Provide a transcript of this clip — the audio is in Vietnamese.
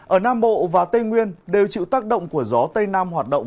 ở nam bộ và tây nguyên đều chịu tác động của gió tây nam hoạt động